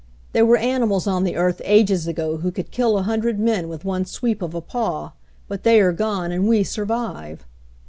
There were animals on the earth ages ago who could kill a hundred men with one sweep of a paw, but they are gone, and we sur vive.